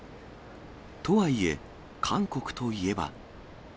とはいえ、韓国といえば。